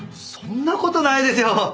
そんな事ないですよ。